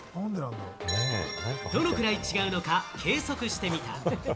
どのくらい違うのか計測してみた。